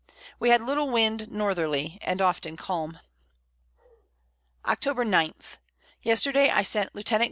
We had little Wind Northerly, and often calm. Octob. 9. Yesterday I sent Lieut.